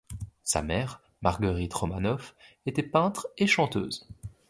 Sa mère, Margueritte Romanoff était peintre et chanteuse.